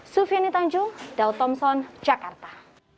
sufiani tanjung daud thompson jakarta